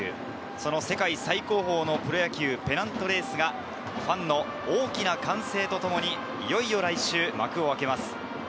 その世界最高峰のプロ野球ペナントレースが、ファンの大きな歓声とともにいよいよ来週、幕を開けます。